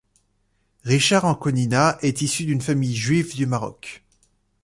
Richard Anconina est issu d'une famille juive du Maroc.